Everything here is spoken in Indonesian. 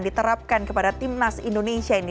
diterapkan kepada timnas indonesia ini